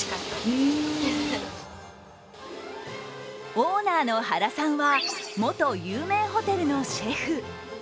オーナーの原さんは元有名ホテルのシェフ。